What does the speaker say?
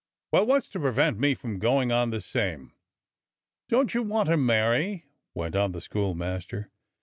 "Well, what's to prevent me going on the same?" "Don't you want to marry?" went on the school master.